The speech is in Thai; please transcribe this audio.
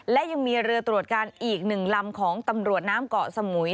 และยังมีเรือตรวจการอีก๑ลำของตำรวจน้ำเกาะสมุย